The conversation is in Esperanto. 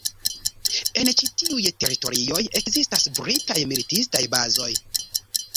En ĉi tiuj teritorioj ekzistas britaj militistaj bazoj.